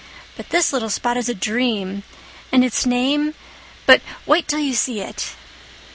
But this little spot is a dream—and its name—but wait till you see it."